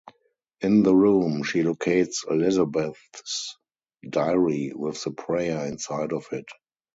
In the room, she locates Elizabeth's diary with the prayer inside of it.